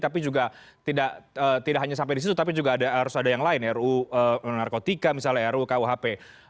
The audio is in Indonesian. tapi juga tidak hanya sampai di situ tapi juga harus ada yang lain ru narkotika misalnya ru kuhp